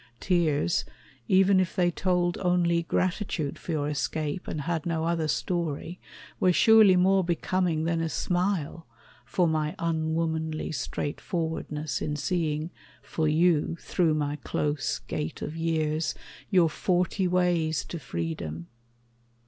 Tears, even if they told only gratitude For your escape, and had no other story, Were surely more becoming than a smile For my unwomanly straightforwardness In seeing for you, through my close gate of years Your forty ways to freedom.